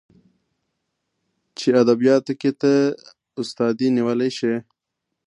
چې ادبياتو کې ته استادي نيولى شې.